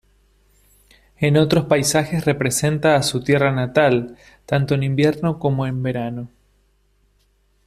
En otros paisajes representa a su tierra natal, tanto en invierno como en verano.